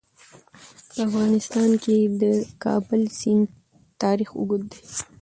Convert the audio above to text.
په افغانستان کې د د کابل سیند تاریخ اوږد دی.